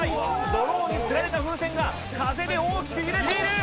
ドローンにつられた風船が風で大きく揺れている。